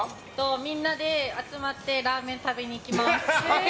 みんなで集まってラーメンを食べに行きます。